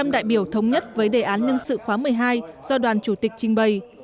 một trăm linh đại biểu thống nhất với đề án nhân sự khóa một mươi hai do đoàn chủ tịch